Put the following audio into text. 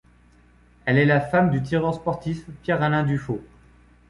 Elle est la femme du tireur sportif Pierre-Alain Dufaux.